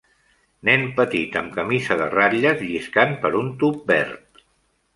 Nen petit amb camisa de ratlles lliscant per un tub verd